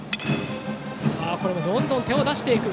どんどん手を出していく。